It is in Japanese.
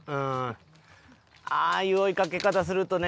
ああいう追いかけ方するとね